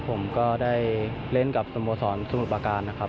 ผมก็ได้เล่นกับสมบัติศาสตร์สมุทรประการ